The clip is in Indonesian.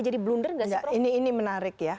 jadi blunder nggak sih prof ini menarik ya